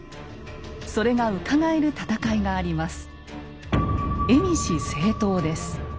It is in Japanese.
それがうかがえる戦いがあります。